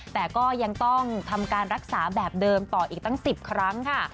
แต่ก็ยังต้องทำการรักษาแบบเดิมต่ออีกตั้ง๑๐ครั้งค่ะ